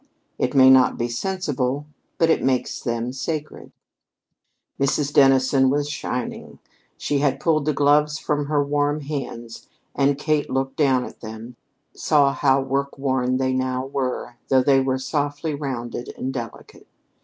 It may not be sensible but it makes them sacred." Mrs. Dennison's face was shining. She had pulled the gloves from her warm hands, and Kate, looking down at them, saw how work worn they now were, though they were softly rounded and delicate.